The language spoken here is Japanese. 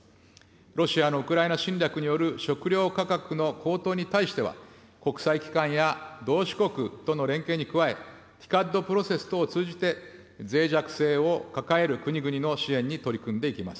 ロシアのウクライナ侵略による食料価格の高騰に対しては、国際機関や同志国との連携に加え、ＴＩＣＡＤプロセス等を通じて、ぜい弱性を抱える国々の支援に取り組んでいきます。